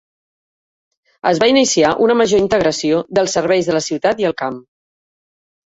Es va iniciar una major integració dels serveis de la ciutat i el camp.